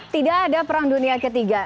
tidak ada perang dunia ketiga